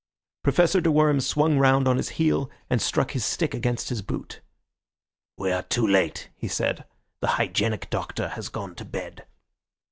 Professor de Worms swung round on his heel, and struck his stick against his boot. "We are too late," he said, "the hygienic Doctor has gone to bed."